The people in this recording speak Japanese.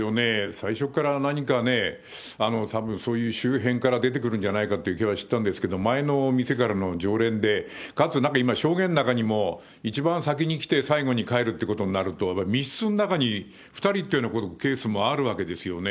最初から何かね、たぶんそういう周辺から出てくるんじゃないかという気はしたんですけど、前の店からの常連で、かつ今、証言の中にも一番先に来て、最後に帰るってことになると、密室の中に２人っていうようなケースもあるわけですよね。